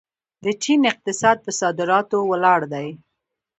د چین اقتصاد په صادراتو ولاړ دی.